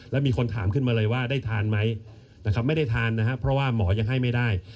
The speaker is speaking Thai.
แล้วมีคนถามขึ้นมาเลยว่าได้ทานไหมนะครับไม่ได้ทานนะครับเพราะว่าหมอยังให้ไม่ได้